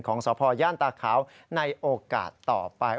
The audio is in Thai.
สพย่านตาขาวในโอกาสต่อไป